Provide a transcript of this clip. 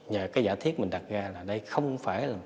và cái giả thiết mình đặt ra là đây không phải là